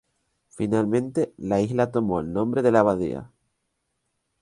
Finalmente, la isla tomó el nombre de la Abadía.